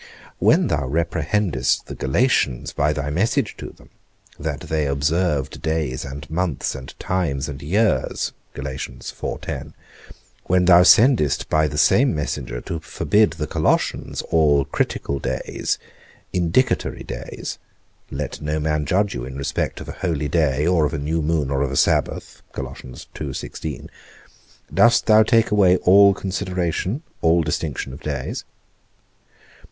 When thou reprehendest the Galatians by thy message to them, That they observed days, and months, and times, and years, when thou sendest by the same messenger to forbid the Colossians all critical days, indicatory days, Let no man judge you in respect of a holy day, or of a new moon, or of a sabbath, dost thou take away all consideration, all distinction of days?